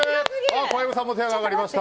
小籔さんも手が上がりました。